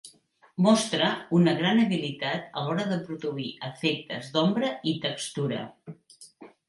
Mostra una gran habilitat a l'hora de produir efectes d'ombra i textura.